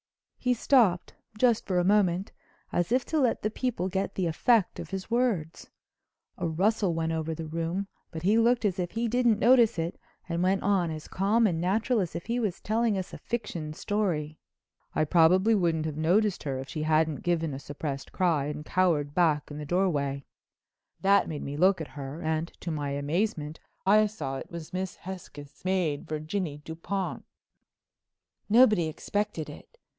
He stopped—just for a moment—as if to let the people get the effect of his words. A rustle went over the room, but he looked as if he didn't notice it and went on as calm and natural as if he was telling us a fiction story. "I probably wouldn't have noticed her if she hadn't given a suppressed cry and cowered back in the doorway. That made me look at her and, to my amazement, I saw it was Miss Hesketh's maid, Virginie Dupont." Nobody expected it.